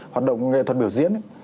hoạt động nghệ thuật biểu diễn